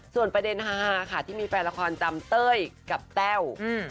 ส่วนประเด็นฮาค่ะที่มีแฟนละครจำเต้ยกับแต้ว